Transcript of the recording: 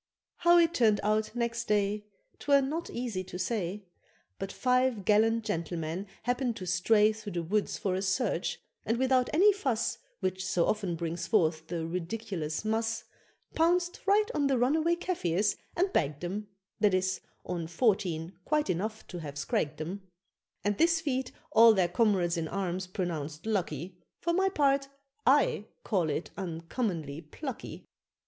How it turned out next day 'Twere not easy to say; But five gallant gentlemen happened to stray Through the woods for a search, and without any fuss, Which so often brings forth the ridiculus mus, Pounced right on the runaway Kafirs and bagged them That is, on fourteen (quite enough to have scragged them); And this feat all their comrades in arms pronounced lucky For my part, I call it uncommonly "plucky."